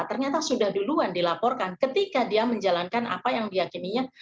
ternyata sudah duluan dilaporkan ketika dia menjalankan apa yang diakininya